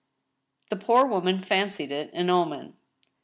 The poor woman fancied it an omen.